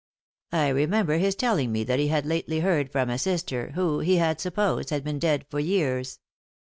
I remember his telling me that he had lately heard from a sister who, he had supposed, had been dead for years.